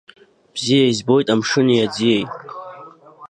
Бзиа избоит амшыни аӡиеи.